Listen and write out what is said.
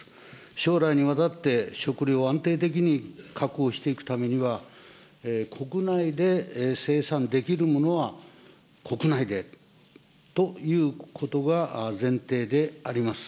将来にわたって食料を安定的に確保していくためには、国内で生産できるものは国内でということが前提であります。